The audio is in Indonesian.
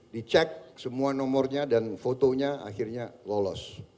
dicek semua nomornya dan fotonya akhirnya lolos